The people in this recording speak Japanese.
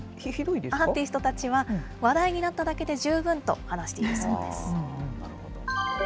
アーティストたちは、話題になっただけで十分と話しているそうです。